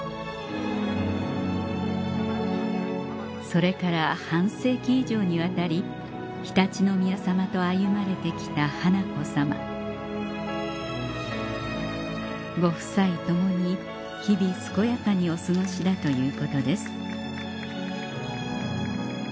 それから半世紀以上にわたり常陸宮さまと歩まれて来た華子さまご夫妻ともに日々健やかにお過ごしだということです